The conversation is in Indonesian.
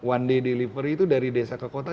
one day delivery itu dari desa ke kota